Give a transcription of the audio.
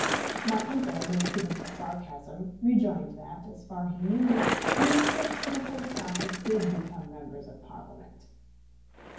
My uncle, who was given to sarcasm, rejoined that, as far as he knew, few clerks in the Post Office did become Members of Parliament.